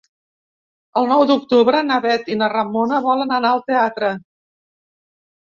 El nou d'octubre na Bet i na Ramona volen anar al teatre.